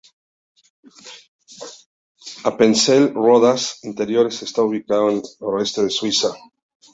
Appenzell Rodas Interiores está ubicado en el noreste de Suiza.